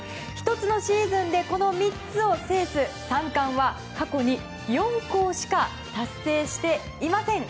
１つのシーズンでこの３つを制す３冠は過去に４校しか達成していません。